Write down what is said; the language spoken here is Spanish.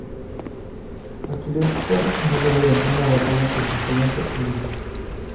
Aquiles fue asesinado durante una batalla con su estudiante Ulises.